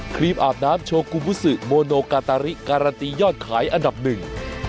รีมอาบน้ำโชกุมุสือโมโนกาตาริการันตียอดขายอันดับหนึ่ง